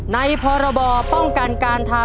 ในพบป้องกันการทารุณการ